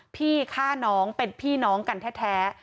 พี่ฆ่าน้องเป็นพี่น้องกันแท้